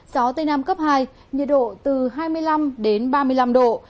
gió tây nam cấp hai nhiệt độ từ hai mươi năm đến ba mươi năm độ